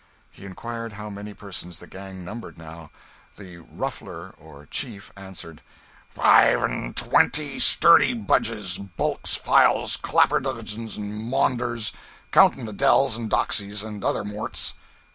He inquired how many persons the gang numbered now. The 'ruffler,' or chief, answered "Five and twenty sturdy budges, bulks, files, clapperdogeons and maunders, counting the dells and doxies and other morts.